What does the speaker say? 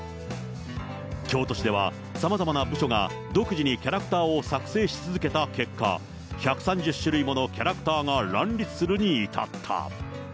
京都市では、さまざまな部署が独自にキャラクターを作成し続けた結果、１３０種類ものキャラクターが乱立するに至った。